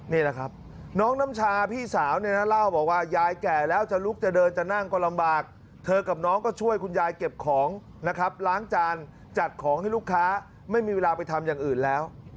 นี่แหละครับน้องน้ำชาพี่สาวเนี่ยนะเล่าบอกว่ายายแก่แล้วจะลุกจะเดินจะนั่งก็ลำบากเธอกับน้องก็ช่วยคุณยายเก็บของนะครับล้างจานจัดของให้ลูกค้าไม่มีเวลาไปทำอย่างอื่นแล้ว